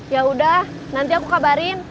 yaudah nanti aku kabarin